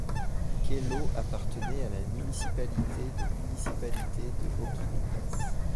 Kello appartenait à la municipalité de municipalité de Haukipudas.